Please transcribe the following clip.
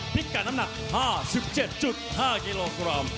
พิกัดน้ำหนัก๕๗๕กิโลกรัม